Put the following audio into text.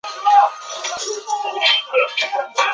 祖父孙子高。